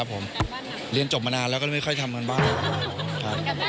แล้วั้นเรียนจบมานานแล้วเราไม่ค่อยทำบ้าน